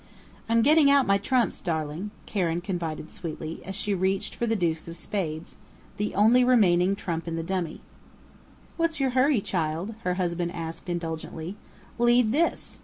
"I'm getting out my trumps, darling," Karen confided sweetly, as she reached for the deuce of Spades the only remaining trump in the dummy. "What's your hurry, child?" her husband asked indulgently. "Lead this!"